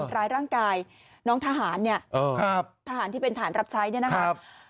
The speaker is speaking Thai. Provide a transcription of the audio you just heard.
ทำร้ายร่างกายน้องทหารเนี่ยทหารที่เป็นฐานรับใช้เนี่ยนะครับ